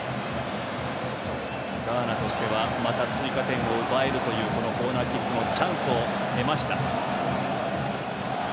ガーナとしてはまた追加点を奪えるというコーナーキックのチャンスを得ました。